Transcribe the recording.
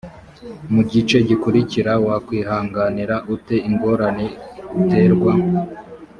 mu gice gikurikira wakwihanganira ute ingorane uterwa